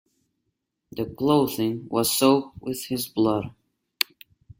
The clothing was soaked with his blood.